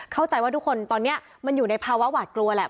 เข้าใจว่าทุกคนตอนนี้มันอยู่ในภาวะหวาดกลัวแหละ